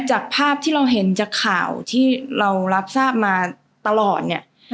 จากภาพที่เราเห็นจากข่าวที่เรารับทราบมาตลอดเนี่ย